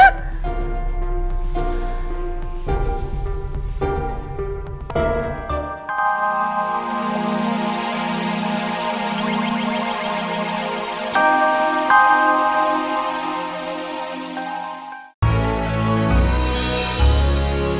sampai jumpa lagi